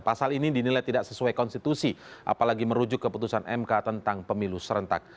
pasal ini dinilai tidak sesuai konstitusi apalagi merujuk keputusan mk tentang pemilu serentak